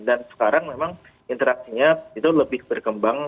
dan sekarang memang interaksinya itu lebih berkembang